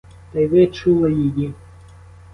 Та й ви чули її.